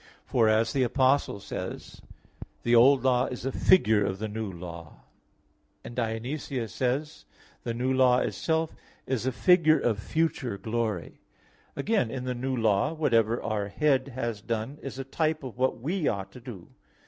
For as the Apostle says (Heb. 10:1) the Old Law is a figure of the New Law, and Dionysius says (Coel. Hier. i) "the New Law itself is a figure of future glory." Again, in the New Law, whatever our Head has done is a type of what we ought to do.